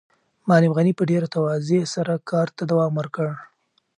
معلم غني په ډېره تواضع سره کار ته دوام ورکړ.